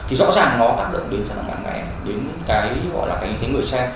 thì rõ ràng nó tạo được đến cho nó ngắn ngẽ đến cái người xem